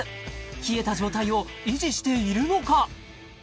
冷えた状態を維持しているのか？